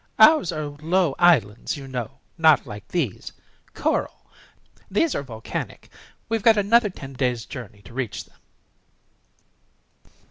"Ours are low islands, you know, not like these. Coral. These are volcanic. We've got another ten days' journey to reach them."